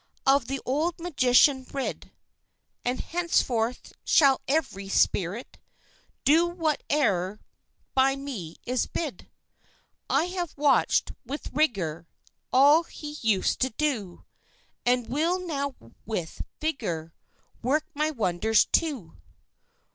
Of the old magician rid; And henceforth shall ev'ry spirit Do whate'er by me is bid: I have watch'd with rigor All he used to do, And will now with vigor Work my wonders, too.